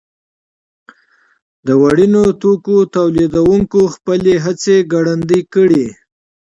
د وړینو توکو تولیدوونکو خپلې هڅې ګړندۍ کړې.